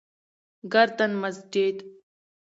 گردن مسجد: